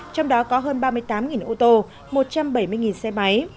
trong đó có hơn ba mươi tám ô tô một trăm bảy mươi xe máy